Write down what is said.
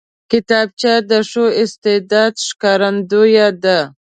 کتابچه د ښو استعداد ښکارندوی ده